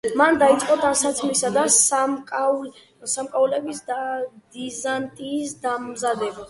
მან დაიწყო ტანსაცმლის და სამკაულების დიზაინის დამზადება.